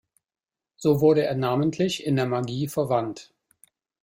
So wurde er namentlich in der Magie verwandt.